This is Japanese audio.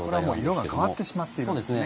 色が変わってしまっているんですね。